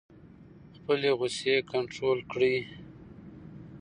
خپلې غصې کنټرول کړئ.